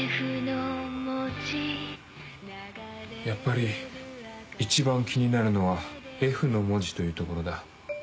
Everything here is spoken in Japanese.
やっぱり一番気になるのは「Ｆの文字」というところだ。